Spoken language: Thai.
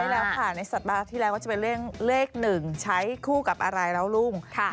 ใช่แล้วค่ะในสัปดาห์ที่แล้วก็จะเป็นเลข๑ใช้คู่กับอะไรแล้วรุ่ง